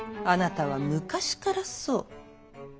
あなたは昔からそう。